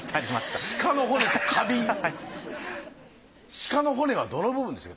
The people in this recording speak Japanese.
鹿の骨はどの部分ですか？